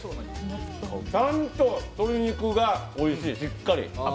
ちゃんと鶏肉がおいしい、しっかり。